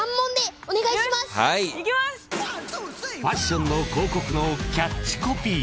［ファッションの広告のキャッチコピー］